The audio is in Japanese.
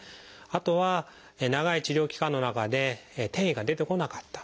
あとは長い治療期間の中で転移が出てこなかった。